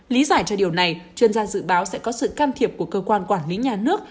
lý giải cho điều này chuyên gia dự báo sẽ có sự can thiệp của cơ quan quản lý nhà nước